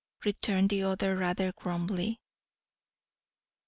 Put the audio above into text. returned the other rather grumbly.